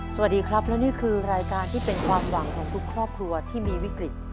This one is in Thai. สวัสดีครับและนี่คือรายการที่เป็นความหวังของทุกครอบครัวที่มีวิกฤต